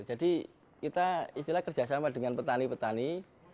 jadi kita istilah kerjasama dengan petani petani